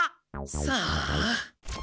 さあ。